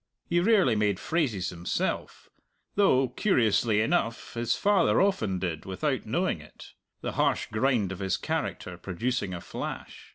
He rarely made phrases himself though, curiously enough, his father often did without knowing it the harsh grind of his character producing a flash.